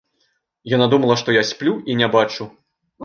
Яна думала, што я сплю і не бачу.